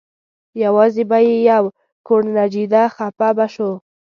یوازې به یې یو کوړنجېده خپه به شو.